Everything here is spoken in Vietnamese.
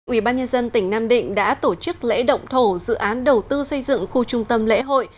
ủy ban nhân dân tỉnh nam định đã tổ chức lễ động thổ dự án đầu tư xây dựng khu trung tâm lễ hội